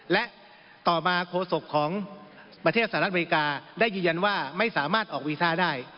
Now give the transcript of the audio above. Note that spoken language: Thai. และต่อมาโคศกของประเทศสหรัฐอเมริกาได้ยืนยันว่าไม่สามารถออกวีซ่าได้